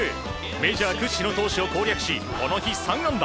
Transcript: メジャー屈指の投手を攻略しこの日３安打。